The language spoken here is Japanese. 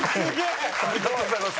ありがとうございます。